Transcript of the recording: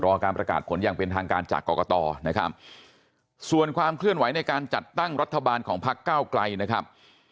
การประกาศผลอย่างเป็นทางการจากกรกตนะครับส่วนความเคลื่อนไหวในการจัดตั้งรัฐบาลของพักเก้าไกลนะครับ